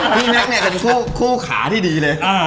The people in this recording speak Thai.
พี่แม็กเนี่ยเป็นคู่ขาที่ดีเลย